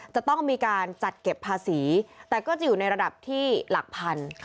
จะต้องมีการจัดเก็บภาษีแต่ก็จะอยู่ในระดับที่หลักพัน